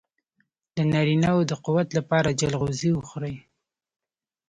د نارینه وو د قوت لپاره چلغوزي وخورئ